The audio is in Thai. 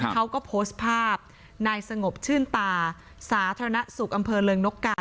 เขาก็โพสต์ภาพนายสงบชื่นตาสาธารณสุขอำเภอเริงนกกา